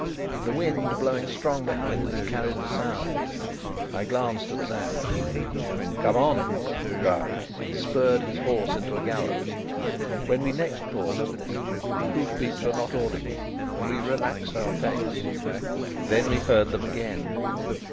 The wind blowing strong behind us, carried the sound. I glanced at Sapt. "Come on!" he cried, and spurred his horse into a gallop. When we next paused to listen, the hoof beats were not audible, and we relaxed our pace. Then we heard them again.